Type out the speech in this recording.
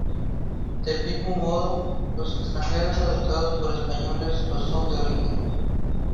Del mismo modo, los extranjeros adoptados por españoles lo son de origen.